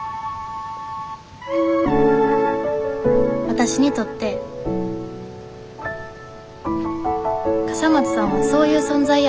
わたしにとって笠松さんはそういう存在やった。